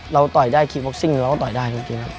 ต่อยได้คีย์ว็กซิ่งเราก็ต่อยได้จริงครับ